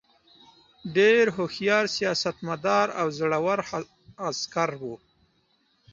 ډېر هوښیار سیاستمدار او زړه ور عسکر وو.